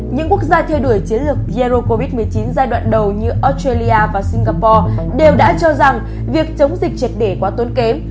những quốc gia theo đuổi chiến lược zero covid một mươi chín giai đoạn đầu như australia và singapore đều đã cho rằng việc chống dịch triệt để quá tốn kém